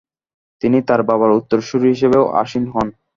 তিনি তাঁর বাবার উত্তরসূরি হিসেবে আসীন হন।